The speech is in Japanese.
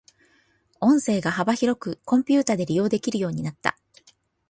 音声が幅広くコンピュータで利用されるようになった。